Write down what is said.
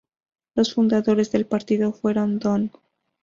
Los fundadores del partido fueron Don.